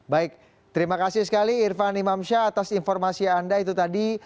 baik terima kasih sekali irfan imam shah atas informasi anda itu tadi